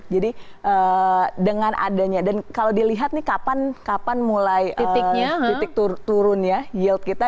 jadi dengan adanya dan kalau dilihat nih kapan mulai titik turun ya yield kita